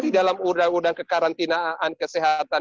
di dalam uu kekarantinaan kesehatan